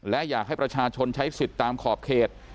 และอยากให้ประชาชนใช้สิทธิ์ตามขอบเขต